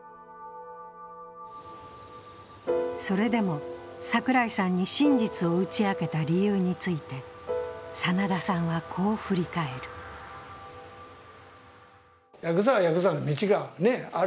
それでも櫻井さんに真実を打ち明けた理由について真田さんは、こう振り返る。